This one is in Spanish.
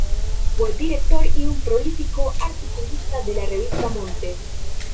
Fue director y un prolífico articulista de la Revista Montes.